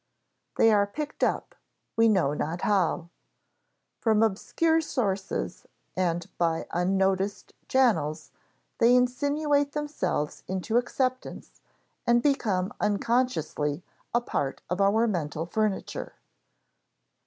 They are picked up we know not how. From obscure sources and by unnoticed channels they insinuate themselves into acceptance and become unconsciously a part of our mental furniture.